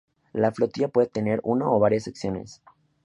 La Flotilla puede tener uno o varias Secciones.